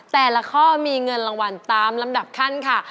แต่ละข้อมีเงินรางวัลตามลำดับขั้นค่ะ